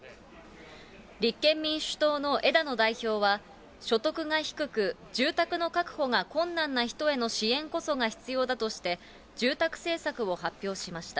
立憲民主党の枝野代表は、所得が低く、住宅の確保が困難な人への支援こそが必要だとして、住宅政策を発表しました。